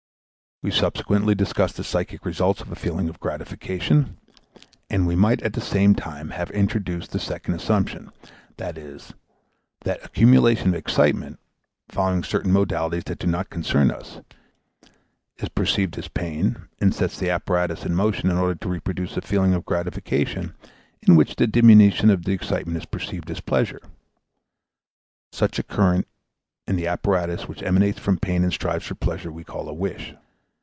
We subsequently discussed the psychic results of a feeling of gratification, and we might at the same time have introduced the second assumption, viz. that accumulation of excitement following certain modalities that do not concern us is perceived as pain and sets the apparatus in motion in order to reproduce a feeling of gratification in which the diminution of the excitement is perceived as pleasure. Such a current in the apparatus which emanates from pain and strives for pleasure we call a wish.